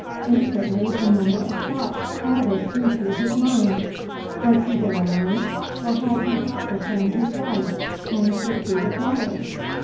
Instantly a number of thoughts crowded into his mind. Was he there alone, or had he brought with him his wife and reputed daughter?